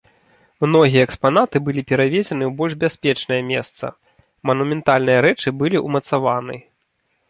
Многія экспанаты былі перавезены ў больш бяспечнае месца, манументальныя рэчы былі ўмацаваны.